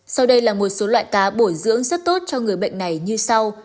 sau đây là một số loại cá bổ dưỡng rất tốt cho người bệnh này như sau